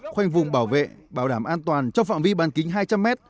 khoanh vùng bảo vệ bảo đảm an toàn trong phạm vi bán kính hai trăm linh m